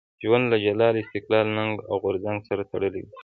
ژوند له جلال، استقلال، ننګ او غورځنګ سره تړلی وو.